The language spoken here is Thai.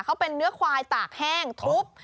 เขาเป็นเนื้อควายตากแห้งทุบ